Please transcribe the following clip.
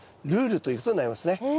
ルールということになりますね。